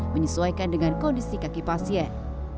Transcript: menyesuaikan dengan kondisi kaki pasien